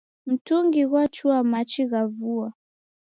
Mtungi ghwachua machi gha vua